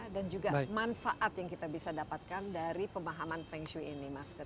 dan juga manfaat yang kita bisa dapatkan dari pemahaman feng shui ini master